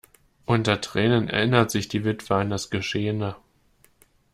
Unter Tränen erinnert sich die Witwe an das Geschehene.